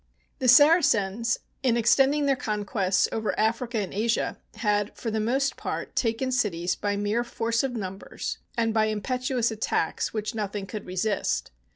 The Saracens, in extending their conquests over Africa and Asia, had, for the most part, taken cities by mere force of numbers and by impetuous attacks which nothing could resist.